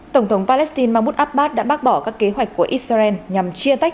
tổng thống palestine mahmoud abbas đã bác bỏ các kế hoạch của israel nhằm chia tách